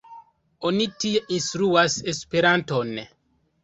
Oni tie instruas Esperanton.